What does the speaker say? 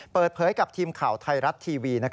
เปิดเผยกับทีมข่าวไทยรัฐทีวี